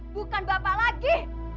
bukan bapak lagi